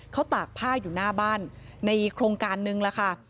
เขาตากผ้าอยู่หน้าบ้านในโครงการนึงล่ะค่ะ